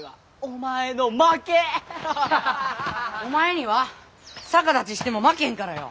お前には逆立ちしても負けんからよ！